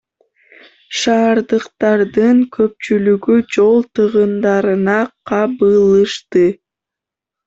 Шаардыктардын көпчүлүгү жол тыгындарына кабылышты.